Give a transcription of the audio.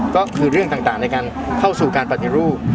ก็คือเรื่องต่างในการเข้าสู่การปฏิรูป